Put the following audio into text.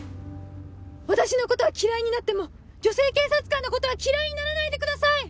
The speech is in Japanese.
私のことは嫌いになっても女性警察官のことは嫌いにならないでください！